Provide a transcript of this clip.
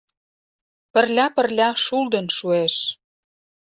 Пырля-пырля шулдын шуэш.